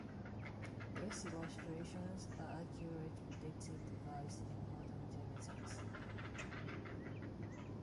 These illustrations are accurate predictive device in modern genetics.